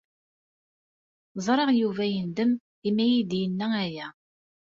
Ẓriɣ Yuba yendem imi ay d-yenna aya.